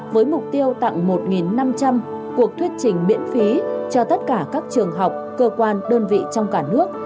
với mục tiêu tặng một năm trăm linh cuộc thuyết trình miễn phí cho tất cả các trường học cơ quan đơn vị trong cả nước